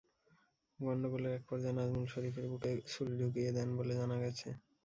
গণ্ডগোলের একপর্যায়ে নাজমুল শরীফের বুকে ছুরি ঢুকিয়ে দেন বলে জানা গেছে।